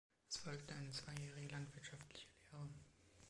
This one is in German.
Es folgte eine zweijährige landwirtschaftliche Lehre.